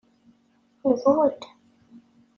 Budd.